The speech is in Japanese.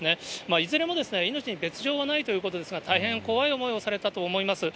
いずれも命に別状はないということですが、大変怖い思いをされたと思います。